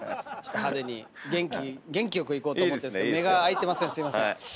派手に元気よくいこうと思ってるんですけど目が開いてません。